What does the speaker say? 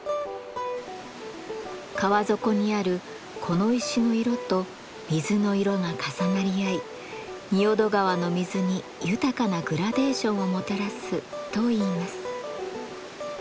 川底にあるこの石の色と水の色が重なり合い仁淀川の水に豊かなグラデーションをもたらすといいます。